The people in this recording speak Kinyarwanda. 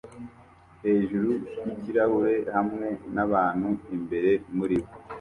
Hejuru yikirahure hamwe nabantu imbere muri bo